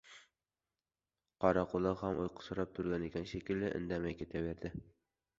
Qoraquloq ham uyqusirab turgan ekan shekilli, indamay ketaverdi.